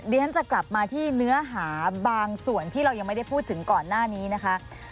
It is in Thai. เดี๋ยวฉันจะกลับมาที่เนื้อหาบางส่วนที่เรายังไม่ได้พูดถึงก่อนหน้านี้นะคะ